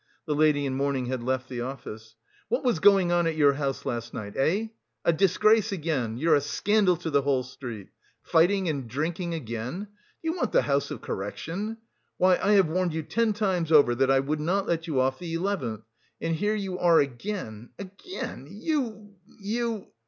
(The lady in mourning had left the office.) "What was going on at your house last night? Eh! A disgrace again, you're a scandal to the whole street. Fighting and drinking again. Do you want the house of correction? Why, I have warned you ten times over that I would not let you off the eleventh! And here you are again, again, you... you...!"